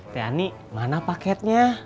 teh ani mana paketnya